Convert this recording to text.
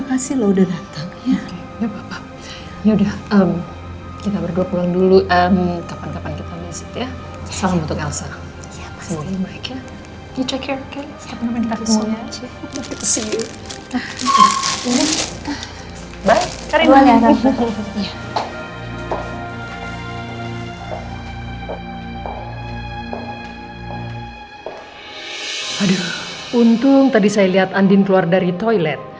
aduh untung tadi saya lihat andin keluar dari toilet